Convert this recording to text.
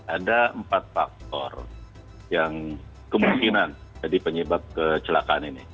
ada empat faktor yang kemungkinan jadi penyebab kecelakaan ini